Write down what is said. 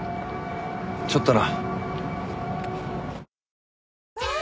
ちょっとな。